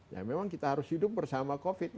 ya memang kita harus hidup bersama covid sembilan belas